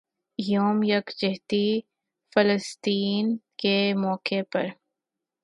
یوم یکجہتی فلسطین کے موقع پر